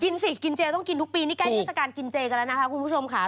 สิกินเจต้องกินทุกปีนี่ใกล้เทศกาลกินเจกันแล้วนะคะคุณผู้ชมค่ะ